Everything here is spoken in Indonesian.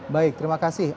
baik terima kasih